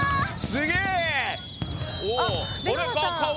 すげえ！